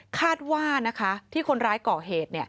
คาดว่าที่คนร้ายก่อเหตุ